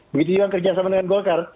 bidik yang kerja sama dengan golkar